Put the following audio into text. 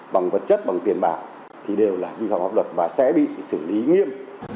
bằng vật chất bằng tiền bạc thì đều là vi phạm pháp luật và sẽ bị xử lý nghiêm